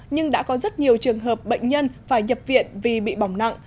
nhưng đã có rất nhiều trường hợp bệnh nhân phải nhập viện vì bị bỏng nặng